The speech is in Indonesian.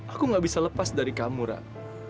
aku gak bisa lepas dari kamu rak